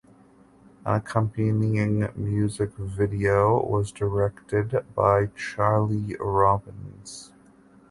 An accompanying music video was directed by Charlie Robins.